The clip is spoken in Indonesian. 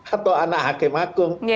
atau anak hakim agung